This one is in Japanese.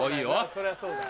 そりゃそうだよ。